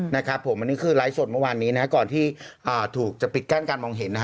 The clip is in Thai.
นะครับผมอันนี้คือไลฟ์สดเมื่อวานนี้นะฮะก่อนที่ถูกจะปิดกั้นการมองเห็นนะฮะ